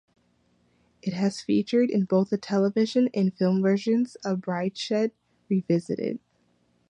It has featured in both the television and film versions of "Brideshead Revisited".